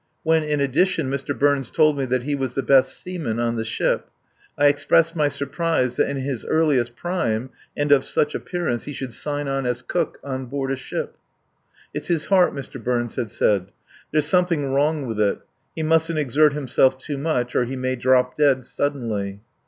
When, in addition, Mr. Burns told me that he was the best seaman in the ship, I expressed my surprise that in his earliest prime and of such appearance he should sign on as cook on board a ship. "It's his heart," Mr. Burns had said. "There's something wrong with it. He mustn't exert himself too much or he may drop dead suddenly."